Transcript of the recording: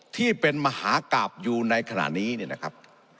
ที่เป็นมหากราบอยู่ในขณะนี้เนี่ยนะครับ